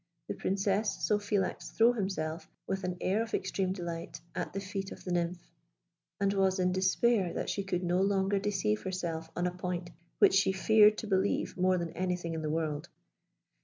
The Princess saw Philax throw himself, with an air of extreme delight, at the feet of the nymph; and was in despair that she could no longer deceive herself on a point which she feared to believe more than anything in the world.